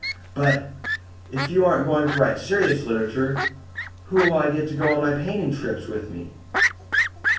"But if you aren't going to write serious literature, who will I get to go on my painting trips with me?"